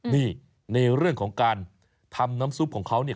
นี่ในเรื่องของการทำน้ำซุปของเขาเนี่ย